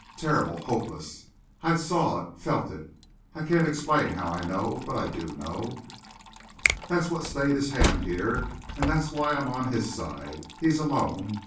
Terrible! Hopeless! I saw it felt it. I can't explain how I know, but I do know. "That's what stayed his hand here. And that's why I'm on his side. He's alone.